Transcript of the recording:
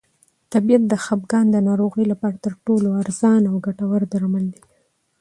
طبیعت د خپګان د ناروغۍ لپاره تر ټولو ارزانه او ګټور درمل دی.